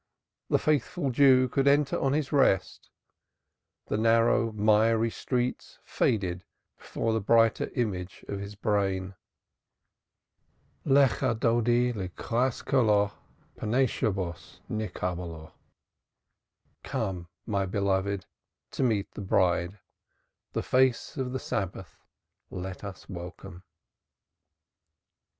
The faithful Jew could enter on his rest the narrow, miry streets faded before the brighter image of his brain. "_Come, my beloved, to meet the Bride, the face of the Sabbath let us welcome.